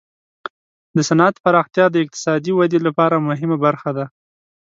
د صنعت پراختیا د اقتصادي ودې لپاره مهمه برخه ده.